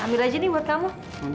ambil aja nih buat kamu